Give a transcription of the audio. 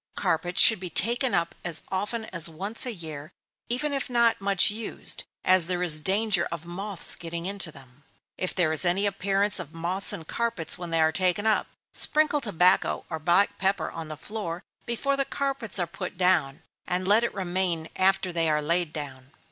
Carpets should be taken up as often as once a year, even if not much used, as there is danger of moths getting into them. If there is any appearance of moths in carpets when they are taken up, sprinkle tobacco or black pepper on the floor before the carpets are put down, and let it remain after they are laid down.